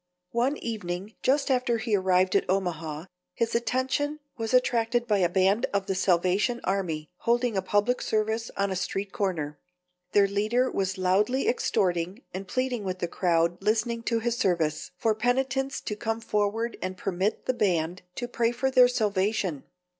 One evening, just after he arrived at Omaha, his attention was attracted by a band of the Salvation Army holding a public service on a street corner. Their leader was loudly extorting and pleading with the crowd listening to his service, for penitents to come forward and permit the band to pray for their salvation.